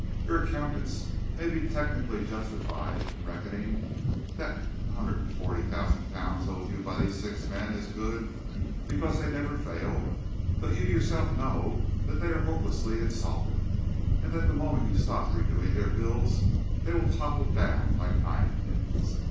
Your accountants may be technically justified in reckoning that hundred and forty thousand pounds owed you by those six men as good, because they never failed, but you yourself know that they are hopelessly insolvent, and that the moment you stop renewing their bills they will topple down like ninepins....